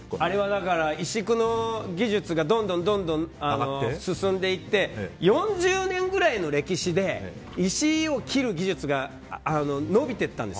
石工の技術が進んでいって４０年ぐらいの歴史で石を切る技術が伸びていったんです。